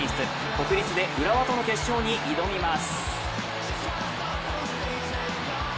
国立で浦和との決勝に挑みます。